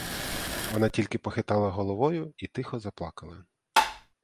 Вона тільки похитала головою й тихо заплакала.